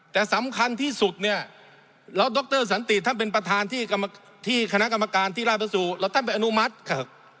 แต่สำคัญที่สุดเนี่ยแล้วดรสันติท่านเป็นประธานที่คณะกรรมการที่ราชสูตรแล้วท่านไปอนุมัติครับ